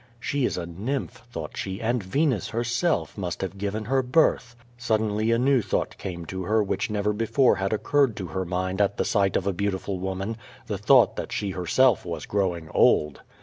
She is a nymph, thought she, and Venus, herself, must have given her birth. Suddenly a new thought came to her, which never before had occurred to her mind at right of a beautiful woman, the thought that she herself was growing old.